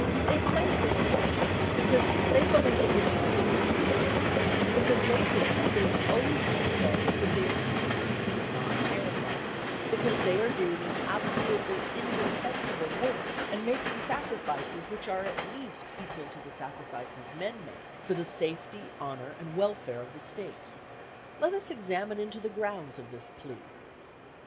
They claim this right, because they believe that it would be for the good of the State, and because they think the State owes it to them because they are citizens and not parasites; because they are doing an absolutely indispensable work and making sacrifices which are at least equal to the sacrifices men make for the safety, honour and welfare of the State. Let us examine into the grounds of this plea.